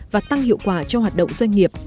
và tăng hiệu quả cho hoạt động doanh nghiệp